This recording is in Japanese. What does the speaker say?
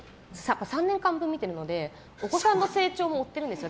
３年間分、見てるのでお子さんの成長も追ってるんですよ。